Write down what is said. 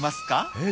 えっ？